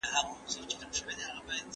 لګښتونه مې د کورنۍ لپاره نه، د کار لپاره وو.